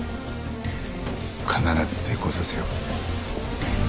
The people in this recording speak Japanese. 必ず成功させよう。